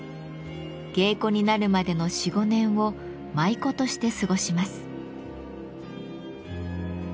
芸妓になるまでの４５年を舞妓として過ごします。